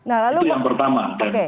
itu yang pertama